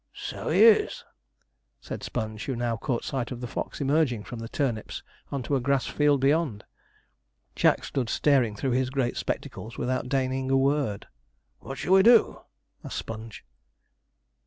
'So he is,' said Sponge, who now caught sight of the fox emerging from the turnips on to a grass field beyond. Jack stood staring through his great spectacles, without deigning a word. 'What shall we do?' asked Sponge.